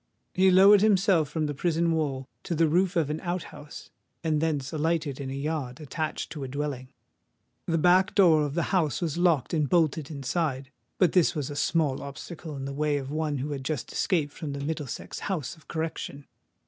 He lowered himself from the prison wall to the roof of an out house, and thence alighted in a yard attached to a dwelling. The back door of the house was locked and bolted inside: but this was a small obstacle in the way of one who had just escaped from the Middlesex House of Correction.